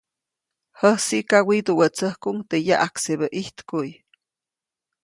Jäsiʼka widuʼwätsäjkuʼuŋ teʼ yaʼaksebä ijtkuʼy.